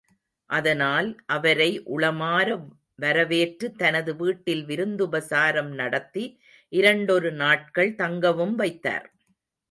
அதனால், அவரை உளமார வரவேற்று தனது வீட்டில் விருந்துபசாரம் நடத்தி இரண்டொரு நாட்கள் தங்கவும் வைத்தார்.